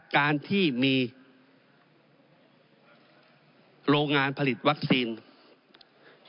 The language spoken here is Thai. การที่มีโรงงานผลิตวัคซีน